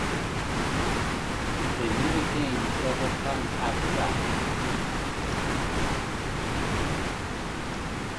They met again several times after that.